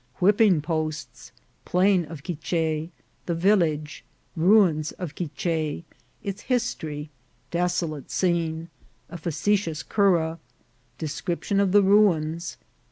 — Whipping posts. — Plain of Quiche. — The Village. — Ruins of Quiche. — Its History. — Desolate Scene. — A facetious Cura. — Description of the Ruins.